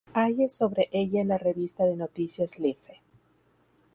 Hayes sobre ella en la revista de noticias Life.